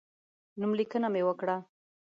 نوملیکنه مې وکړه.